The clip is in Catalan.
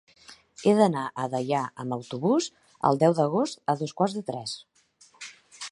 He d'anar a Deià amb autobús el deu d'agost a dos quarts de tres.